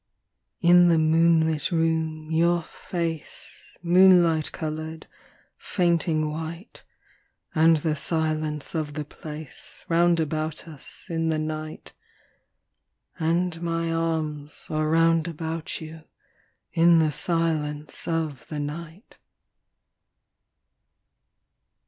In the moonlit room your face, Moonlight coloured, fainting white And the silence of the place Round about us in the night, And my arms are round about you In the silence of the night.